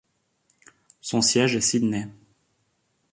Son siège est Sidney.